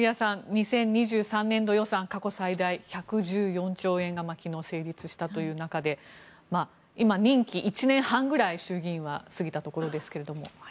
２０２３年度予算、過去最大１１４兆円が昨日、成立したという中で今、任期１年半ぐらい衆議院は過ぎたところですが。